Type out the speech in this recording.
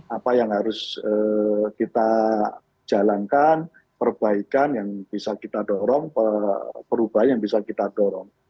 apa yang harus kita jalankan perbaikan yang bisa kita dorong perubahan yang bisa kita dorong